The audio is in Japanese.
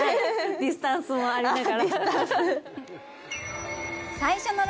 ディスタンスもありながら。